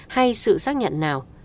hay sự xác nhận nào